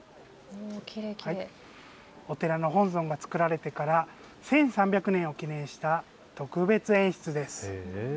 お寺の本尊が作られてから１３００年を記念した特別演出です。